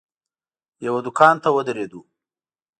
یوه دوکان ته ودرېدو.